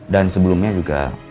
dan sebelumnya juga